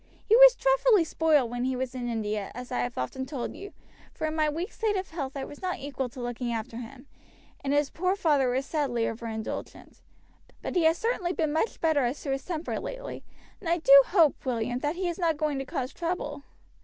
He was dreadfully spoiled when he was in India, as I have often told you; for in my weak state of health I was not equal to looking after him, and his poor father was sadly overindulgent. But he has certainly been much better as to his temper lately, and I do hope, William, that he is not going to cause trouble."